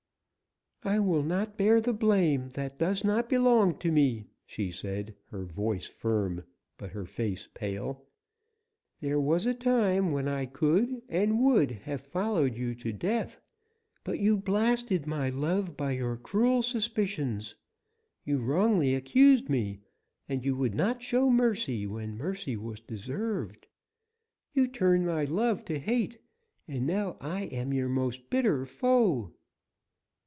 "I will not bear the blame that does not belong to me," she said, her voice firm, but her face pale. "There was a time when I could, and would, have followed you to death, but you blasted my love by your cruel suspicions. You wrongly accused me, and you would not show mercy where mercy was deserved. You turned my love to hate, and now I am your most bitter foe."